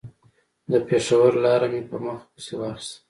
د پېښور لاره مې په مخه پسې واخيسته.